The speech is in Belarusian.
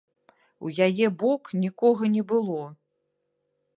У яе бок нікога не было.